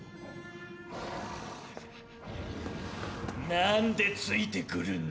何でついて来るんだ。